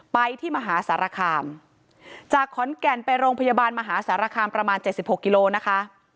ไปที่มหาสารคามจากขอนแก่นไปโรงพยาบาลมหาสารคามประมาณ๗๖กิโลนะคะ